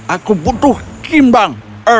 aku butuh jimbang